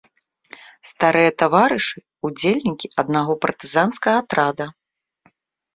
Старыя таварышы, удзельнікі аднаго партызанскага атрада.